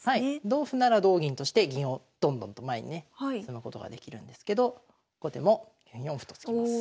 同歩なら同銀として銀をどんどんと前にね進むことができるんですけど後手も４四歩と突きます。